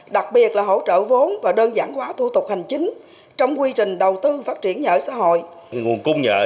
đặc biệt là hỗ trợ vốn và đơn giản hóa thu tục hành chính trong quy trình đầu tư phát triển nhà ở xã hội